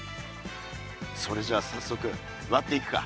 それじゃさっそく割っていくか。